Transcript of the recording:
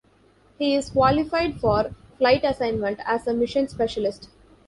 He is qualified for flight assignment as a mission specialist.